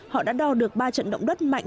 họ đã đo được ba trận động đất mạnh